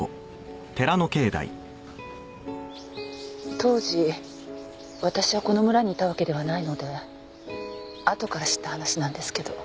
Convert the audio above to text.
当時私はこの村にいたわけではないのであとから知った話なんですけど。